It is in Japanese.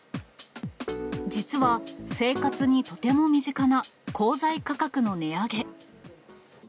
実は、生活にとても身近な鋼材価格の値上げ。